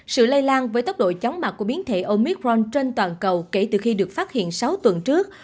sự lây lan với tốc độ chóng mặt của biến thể omicron trên toàn cầu kể từ khi được phát hiện sáu tuần trước